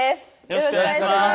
よろしくお願いします